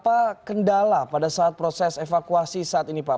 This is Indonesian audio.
apa kendala pada saat proses evakuasi saat ini pak